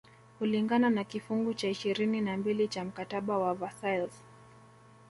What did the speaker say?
kulingana na kifungu cha ishirini na mbili cha mkataba wa Versailles